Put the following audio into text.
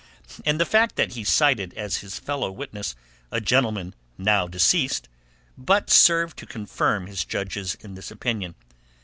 And the fact that he cited as his fellow witness a gentleman now deceased but served to confirm his judges in this opinion.